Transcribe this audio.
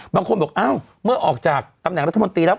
บางคนบอกอ้าวเมื่อออกจากตำแหน่งรัฐมนตรีแล้ว